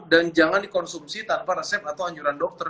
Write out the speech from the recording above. dan jangan dikonsumsi tanpa resep atau anjuran dokter